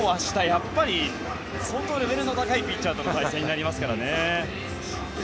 やっぱり相当レベルの高いピッチャーとの対戦になりますからね。